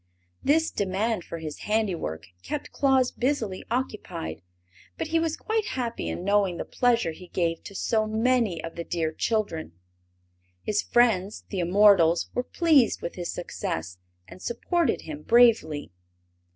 This demand for his handiwork kept Claus busily occupied, but he was quite happy in knowing the pleasure he gave to so many of the dear children. His friends the immortals were pleased with his success and supported him bravely.